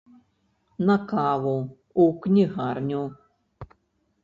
На каву ў кнігарню!